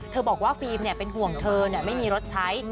บอกว่าฟิล์มเป็นห่วงเธอไม่มีรถใช้